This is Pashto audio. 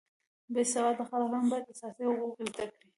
بې سواده خلک هم باید اساسي حقوق زده کړي